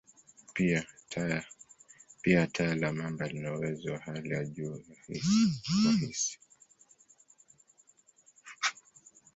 Pia, taya la mamba lina uwezo wa hali ya juu wa hisi.